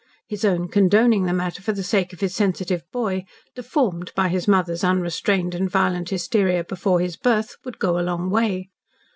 His own condoning the matter for the sake of his sensitive boy, deformed by his mother's unrestrained and violent hysteria before his birth, would go a long way.